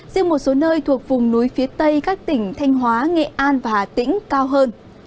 riêng một số nơi thuộc vùng núi phía tây các tỉnh thanh hóa nghệ an và hà tĩnh cao hơn